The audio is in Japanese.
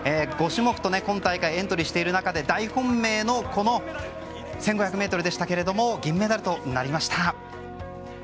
５種目と今大会エントリーしている中で大本命の１５００ｍでしたけれども銀メダルとなりました。